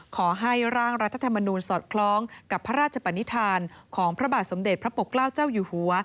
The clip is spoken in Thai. ขอให้ร่างรัฐธรรมนูลสอดคล้องกับพระราชปนิษฐานของพระบาทสมเด็จพระปกเกล้าเจ้าอยู่หัว